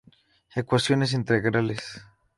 Ecuaciones integrales.